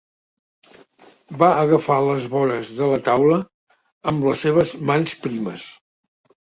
Va agafar les vores de la taula amb les seves mans primes.